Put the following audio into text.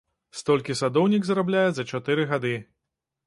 Столькі садоўнік зарабляе за чатыры гады.